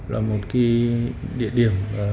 là một địa điểm